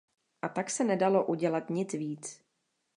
A tak se nedalo udělat nic víc.